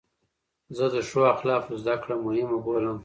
زه د ښو اخلاقو زدکړه مهمه بولم.